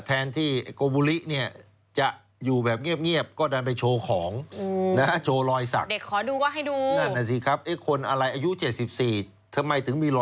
อายุ๗๔ทำไมถึงมีรอยสักเยอะอย่างนี้